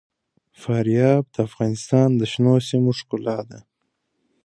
فاریاب د افغانستان د شنو سیمو ښکلا ده.